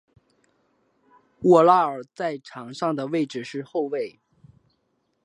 沃拉尔在场上的位置是后卫。